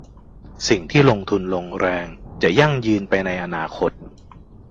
สิ่งที่ลงทุนลงแรงจะยั่งยืนไปในอนาคต